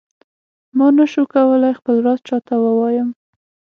ما نه شو کولای خپل راز چاته ووایم.